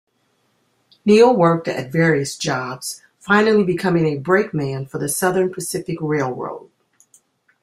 Neal worked at various jobs, finally becoming a brakeman for the Southern Pacific Railroad.